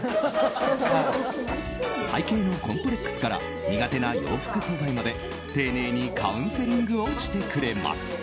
体形のコンプレックスから苦手な洋服素材まで丁寧にカウンセリングをしてくれます。